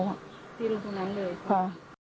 จีนตรงนั้นเลยคะค่ะ